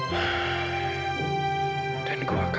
dan gue kangen sama kamilah